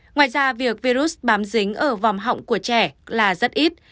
ngoài ra việc virus bám dính ở vòng họng của trẻ là rất ít